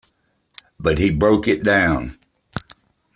But he broke it down.